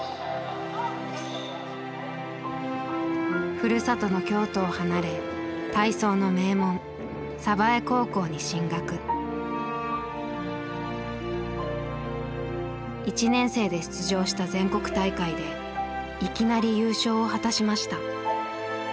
ふるさとの京都を離れ体操の名門１年生で出場した全国大会でいきなり優勝を果たしました。